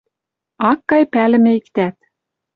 Ак кай пӓлӹмӹ иктӓт.